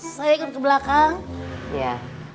saya ikut belakang ya